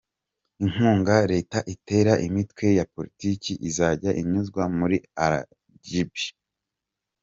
Inkunga Leta itera imitwe ya politiki izajya inyuzwa muri aragibi